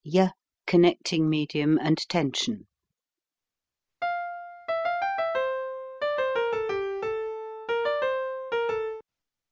y connecting medium and tension.